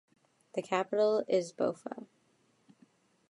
The capital is Boffa.